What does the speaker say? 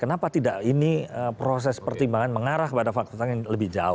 kenapa tidak ini proses pertimbangan mengarah kepada fakta fakta yang lebih jauh